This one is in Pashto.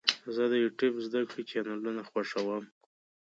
زه د یوټیوب زده کړې چینلونه خوښوم.